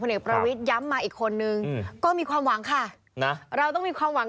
เอกประวิทย้ำมาอีกคนนึงก็มีความหวังค่ะนะเราต้องมีความหวัง